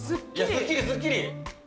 すっきり、すっきり。